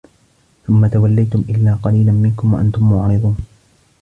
ثُمَّ تَوَلَّيْتُمْ إِلَّا قَلِيلًا مِنْكُمْ وَأَنْتُمْ مُعْرِضُونَ